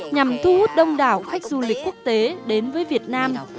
nhằm thu hút đông đảo khách du lịch quốc tế đến với việt nam